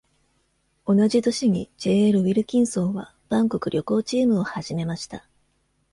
同じ年に、JL ウィルキンソンは万国旅行チームを始めました。